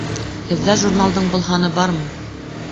Һеҙҙә журналдың был һаны бармы?